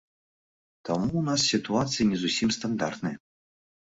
Таму ў нас сітуацыя не зусім стандартная.